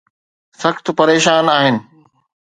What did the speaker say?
سخت پريشان آهن.